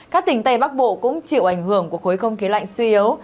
các tỉnh tây bắc bộ cũng chịu ảnh hưởng của khối không khí lạnh suy yếu